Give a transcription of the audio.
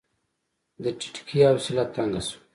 د ټيټکي حوصله تنګه شوه.